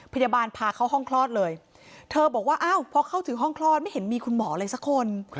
พยาบาลพาเข้าห้องคลอดเลยเธอบอกว่าอ้าวพอเข้าถึงห้องคลอดไม่เห็นมีคุณหมอเลยสักคน